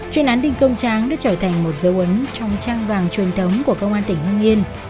chuyên án đình công tráng đã trở thành một dấu ấn trong trang vàng truyền thống của công an tỉnh hưng yên